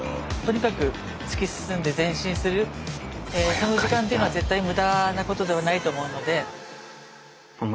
その時間っていうのは絶対無駄なことではないと思うので。